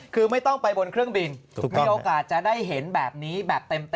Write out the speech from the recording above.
คือไม่ต้องไปบนเครื่องบินมีโอกาสจะได้เห็นแบบนี้แบบเต็ม